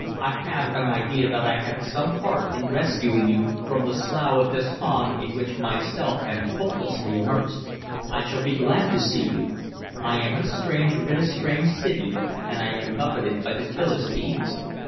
I have an idea that I had some part in rescuing you from the Slough of Despond in which myself am hopelessly immersed. I shall be glad to see you. I am a stranger in a strange city and I am buffeted by the philistines.